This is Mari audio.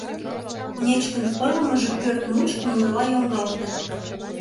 Нечкын ойлымыжо пӧрт мучко мурыла йоҥгалте.